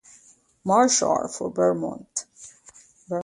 Marshal for Vermont.